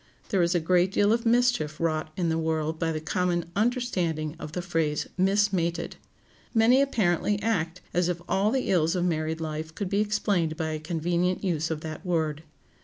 There is a great deal of mischief wrought in the world by the common understanding of the phrase "mismated." Many apparently act as if all the ills of married life could be explained by a convenient use of that word.